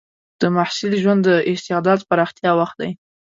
د محصل ژوند د استعداد پراختیا وخت دی.